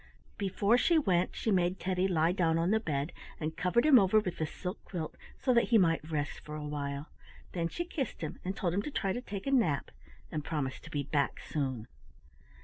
Before she went she made Teddy lie down on the bed, and covered him over with the silk quilt, so that he might rest for a while. Then she kissed him and told him to try to take a nap, and promised to be back soon.